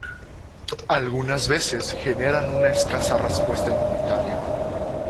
Algunas veces generan una escasa respuesta inmunitaria.